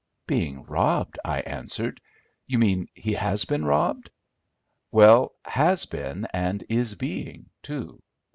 "Being robbed?" I answered; "you mean he has been robbed." "Well, has been, and is being, too.